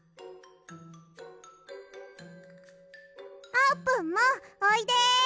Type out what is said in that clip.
あーぷんもおいで。